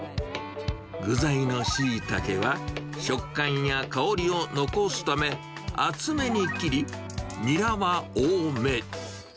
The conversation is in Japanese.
具材のシイタケは、食感や香りを残すため、厚めに切り、ニラは多め。